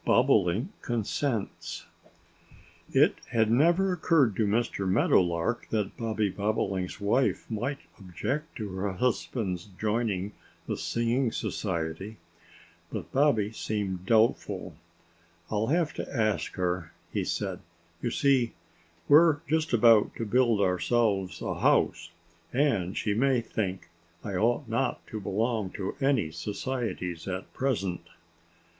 BOBOLINK CONSENTS IT had never occurred to Mr. Meadowlark that Bobby Bobolink's wife might object to her husband's joining the Singing Society. But Bobby seemed doubtful. "I'll have to ask her," he said. "You see, we're just about to build ourselves a house. And she may think I ought not to belong to any societies at present."